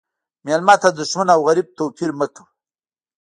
مېلمه ته د شتمن او غریب توپیر مه کوه.